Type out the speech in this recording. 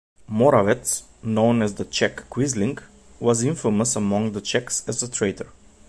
Moravec, known as the "Czech Quisling," was infamous among the Czechs as a traitor.